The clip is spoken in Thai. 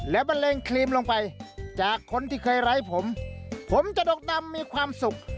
และบันเลงครีมลงไปจากคนที่เคยไร้ผมผมจะดกดำมีความสุข